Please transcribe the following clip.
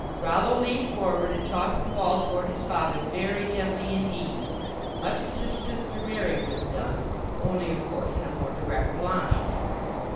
Rollo leaned forward and tossed the ball toward his father very gently indeed, much as his sister Mary would have done, only, of course, in a more direct line.